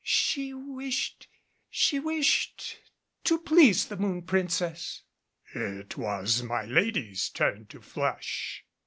"She wished she wished to please the Moon Princess." It was my lady's turn to flush.